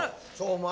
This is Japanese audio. お前